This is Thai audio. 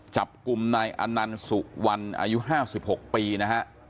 จับกลุ่มนายอนันต์สุวรรณอายุ๕๖ปีนะฮะ